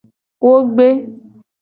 Wo gbe.